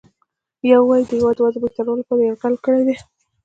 یا ووایو د هیواد د وضع بهترولو لپاره یرغل کړی دی.